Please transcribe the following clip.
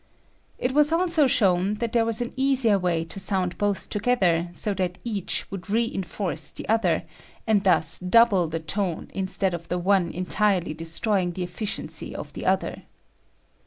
It was also shown that there was an easier way to sound both together so that each would re enforce the other and thus double the tone instead of the one entirely destroying the efficiency of the other.